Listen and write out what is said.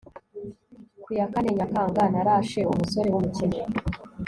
ku ya kane nyakanga, narashe umusore w'umukene